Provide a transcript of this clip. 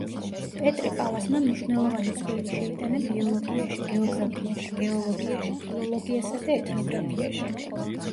პეტრე პალასმა მნიშვნელოვანი წვლილი შეიტანა ბიოლოგიაში, გეოგრაფიაში, გეოლოგიაში, ფილოლოგიასა და ეთნოგრაფიაში.